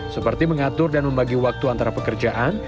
seperti mengatur dan membagi waktu antara pekerjaan